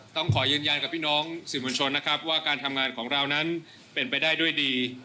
ต้องขอยืนยันกับพี่น้องสื่อมวลชนนะครับว่าการทำงานของเรานั้นเป็นไปได้ด้วยดี